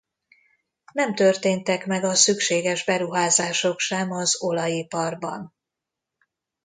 Nem történtek meg a szükséges beruházások sem az olajiparban.